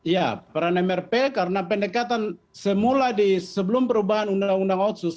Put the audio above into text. ya peran mrp karena pendekatan semula di sebelum perubahan undang undang otsus